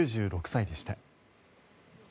９６歳でした。